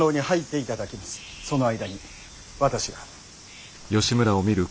その間に私が。